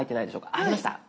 ありました？